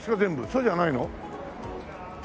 そうじゃないの？